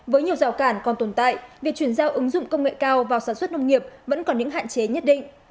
với nhiều rào cản còn tồn tại việc chuyển giao ứng dụng công nghệ cao vào sản xuất nông nghiệp vẫn còn những hạn chế nhất định